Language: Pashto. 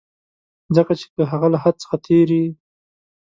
ځکه چي که هغه له حد څخه تېری.